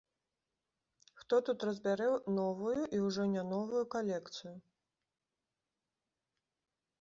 Хто тут разбярэ новую і ўжо не новую калекцыю.